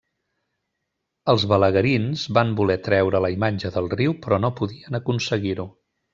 Els balaguerins van voler treure la imatge del riu però no podien aconseguir-ho.